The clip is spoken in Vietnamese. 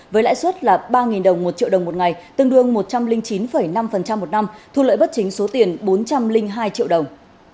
với lãi suất là ba đồng một triệu đồng một ngày tương đương một trăm linh chín năm một năm thu lợi bất chính số tiền bốn trăm linh hai triệu đồng